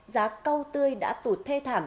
giá câu tươi đã tụt thê thảm